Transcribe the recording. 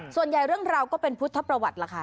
ส่วนใหญ่เรื่องราวก็เป็นพุทธประวัติล่ะค่ะ